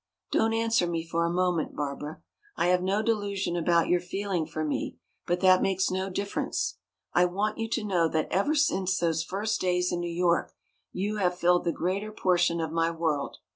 Don't answer me for a moment, Barbara. I have no delusion about your feeling for me, but that makes no difference. I want you to know that ever since those first days in New York you have filled the greater portion of my world.